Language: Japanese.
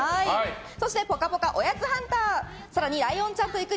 そしてぽかぽかおやつハンター更に、ライオンちゃんと行く！